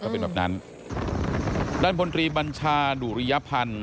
เป็นแบบนั้นด้านบนตรีบัญชาดุริยพันธ์